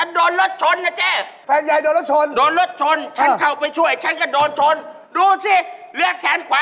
รูเท้ายมมราชน่ะจะเขาตายแล้ว